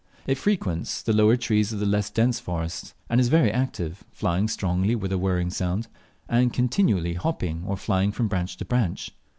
It frequents the lower trees of the less dense forests: and is very active, flying strongly with a whirring sound, and continually hopping or flying from branch to branch.